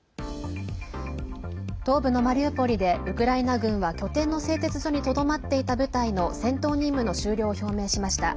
東部のマリウポリでウクライナ軍は拠点の製鉄所にとどまっていた部隊の戦闘任務の終了を表明しました。